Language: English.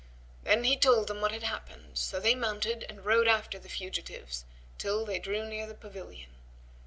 Then he told them what had happened, so they mounted and rode after the fugitives, till they drew near the pavilion.